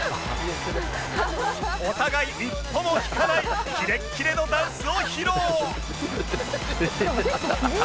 お互い一歩も引かないキレッキレのダンスを披露！